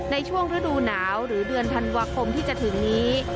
ในช่วงฤดูหนาวหรือเดือนธันวาคมที่จะถึงนี้